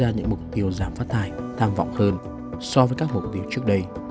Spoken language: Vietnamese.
ra những mục tiêu giảm phát thải tham vọng hơn so với các mục tiêu trước đây